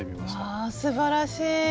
わあすばらしい！